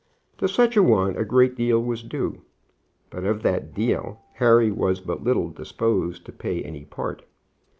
To such a one a great deal was due; but of that deal Harry was but little disposed to pay any part.